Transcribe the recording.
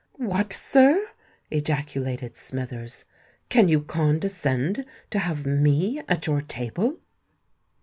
"What, sir!" ejaculated Smithers; "can you condescend to have me at your table?"